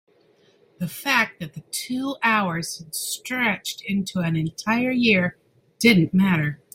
the fact that the two hours had stretched into an entire year didn't matter.